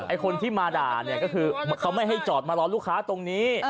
คนที่มาด่าเนี่ยก็คือเขาไม่ให้จอดมารอลูกค้าตรงนี้